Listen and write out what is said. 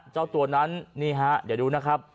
เจ้าตัวนั้นนี่ฮะเดี๋ยวดูนะครับ